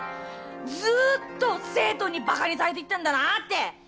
ずっと生徒にバカにされてきたんだなって